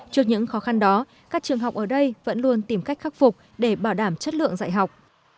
trước những khó khăn đó các trường học ở đây vẫn luôn tìm cách khắc phục để bảo đảm chất lượng dạy học